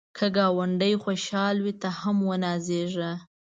که ګاونډی خوشحال وي، ته هم ونازېږه